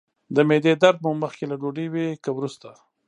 د معدې درد مو مخکې له ډوډۍ وي که وروسته؟